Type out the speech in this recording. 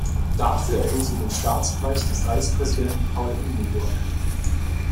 Dafür erhielt sie den Staatspreis des Reichspräsidenten Paul Hindenburg.